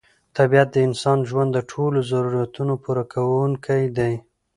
طبیعت د انساني ژوند د ټولو ضرورتونو پوره کوونکی دی.